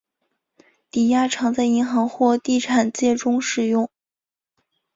抵押常在银行或地产界中使用。